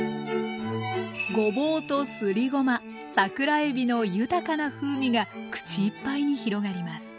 ごぼうとすりごま桜えびの豊かな風味が口いっぱいに広がります。